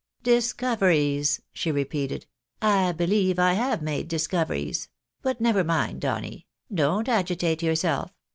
" Discoveries !" she repeated, " I beheve I have made dis coveries. But never mind, Donny; don't agitate yourself.